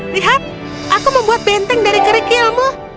lihat aku membuat benteng dari kerikilmu